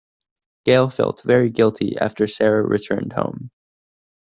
Gail felt very guilty after Sarah returned home.